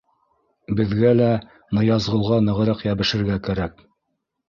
Беҙгә лә Ныязғолға нығыраҡ йәбешергә кәрәк.